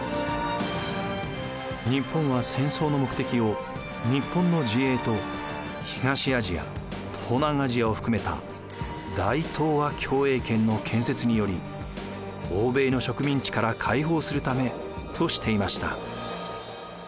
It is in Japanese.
日本は戦争の目的を日本の自衛と東アジア東南アジアを含めた大東亜共栄圏の建設により欧米の植民地から解放するためとしていました。